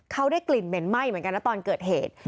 เขาได้กลิ่นเหม็นไหม้เหมือนกันนะตอนเกิดเหตุ